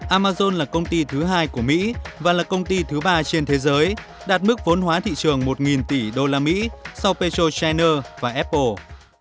amazon là công ty thứ hai của mỹ và là công ty thứ ba trên thế giới đạt mức vốn hóa thị trường một tỷ usd sau petrochina và apple